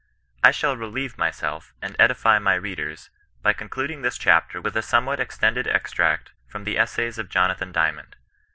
I shall relieve myself, and edify my readers, by con cluding this chapter with a somewhat extended extract from the Essays of Jonathan Dymond.